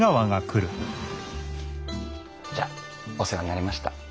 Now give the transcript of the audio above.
じゃお世話になりました。